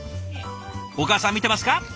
お母さん見てますか？